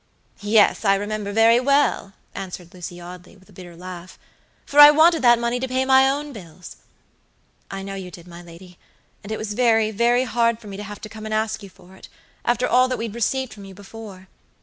"Yes, I remember very well," answered Lady Audley, with a bitter laugh, "for I wanted that money to pay my own bills." "I know you did, my lady, and it was very, very hard for me to have to come and ask you for it, after all that we'd received from you before.